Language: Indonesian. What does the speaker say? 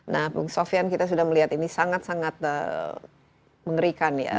nah bung sofian kita sudah melihat ini sangat sangat mengerikan ya